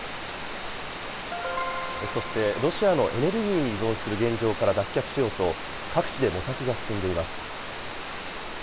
そしてロシアのエネルギーに依存する現状から脱却しようと、各地で模索が進んでいます。